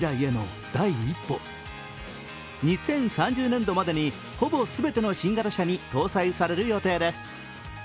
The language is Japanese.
２０３０年度までにほぼ全ての新型車に搭載される予定です。